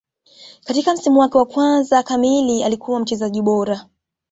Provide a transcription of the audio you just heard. Katika msimu wake wa kwanza kamili alikuwa mchezaji bora